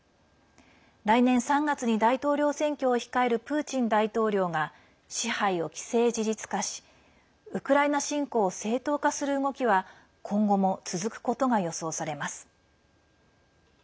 来年３月に大統領選挙を控えるプーチン大統領が支配を既成事実化しウクライナ侵攻を正当化する動きは今後も続くことが予想されます。